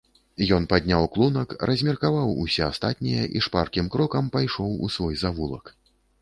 Ён падняў клунак, размеркаваў усе астатнія і шпаркім крокам пайшоў у свой завулак.